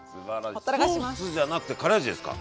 ソースじゃなくてカレー味ですか？